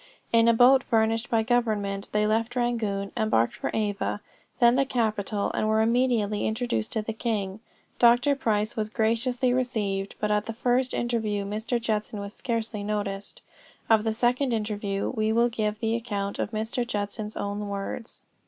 In a boat furnished by government, they left Rangoon, embarked for Ava, then the capital, and were immediately introduced to the king. Dr. Price was graciously received, but at the first interview Mr. Judson was scarcely noticed. Of the second interview, we will give the account in Mr. Judson's own words.